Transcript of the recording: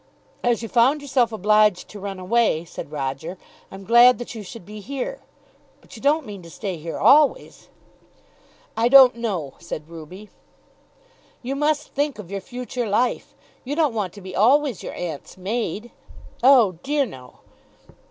"As you found yourself obliged to run away," said Roger, "I'm glad that you should be here; but you don't mean to stay here always?" "I don't know," said Ruby. "You must think of your future life. You don't want to be always your aunt's maid." "Oh dear, no."